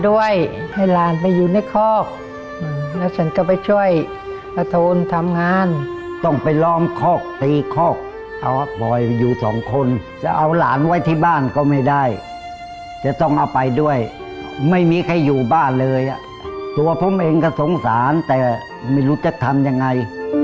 ด้วยให้หลานไปอยู่ในคอกแล้วฉันก็ไปช่วยป้าโทนทำงานต้องไปล้อมคอกตีคอกเอาปล่อยอยู่สองคนจะเอาหลานไว้ที่บ้านก็ไม่ได้จะต้องเอาไปด้วยไม่มีใครอยู่บ้านเลยอ่ะตัวผมเองก็สงสารแต่ไม่รู้จะทำยังไง